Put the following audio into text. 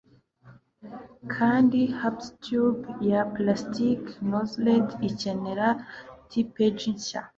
kandi harpsitube ya plastiki-nozzeled ikenera tippage nshya